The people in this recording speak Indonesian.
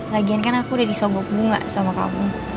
lagian kan aku udah disogok bunga sama kamu